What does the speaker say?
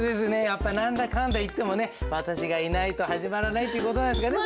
やっぱ何だかんだ言ってもね私がいないと始まらないっていう事なんですかね。